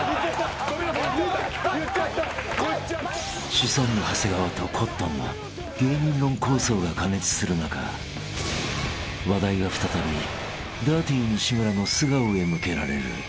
［シソンヌ長谷川とコットンの芸人論抗争が加熱する中話題は再びダーティー西村の素顔へ向けられる］